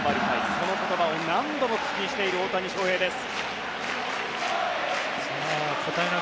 その言葉を何度も口にしている大谷翔平です。